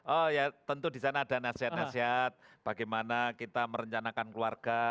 oh ya tentu di sana ada nasihat nasihat bagaimana kita merencanakan keluarga